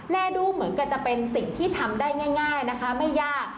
และดูเหมือนกับจะเป็นสิ่งที่ทำได้ง่ายนะคะไม่ยาก